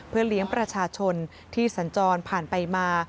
เพื่อเลี้ยงประชาชนที่สัญจรผ่านไปมา